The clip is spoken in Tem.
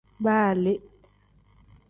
Baa le.